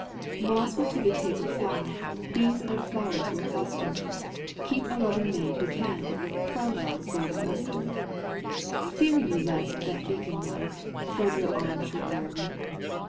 Moths will to the taper fly, Bees on flowers will cluster; Keep a loving maid who can From love's golden lustre! Fear you lest that beacon light From your arms should lure me?